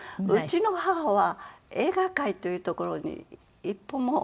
うちの母は映画界というところに一歩も。